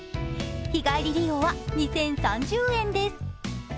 日帰り利用は２０３０円です。